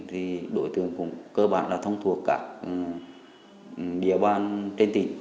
thì đối tượng cũng cơ bản là thông thuộc các địa bàn trên tỉnh